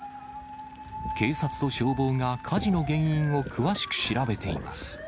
警察と消防が火事の原因を詳しく調べています。